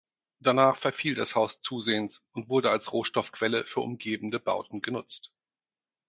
Danach verfiel das Haus zusehends und wurde als Rohstoffquelle für umgebende Bauten genutzt.